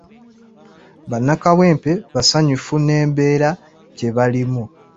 Bannakawempe basanyufu n'embeera gye balimu.